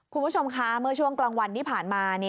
คุณผู้ชมคะเมื่อช่วงกลางวันที่ผ่านมา